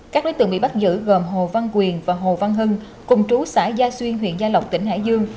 các đối tượng bị bắt giữ gồm hồ văn quyền và hồ văn hưng cùng chú xã gia xuyên huyện gia lộc tỉnh hải dương